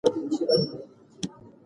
د پټي پوله په ډېر مهارت ورېبل شوه.